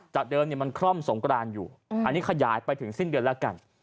เดิมมันคร่อมสงกรานอยู่อันนี้ขยายไปถึงสิ้นเดือนแล้วกัน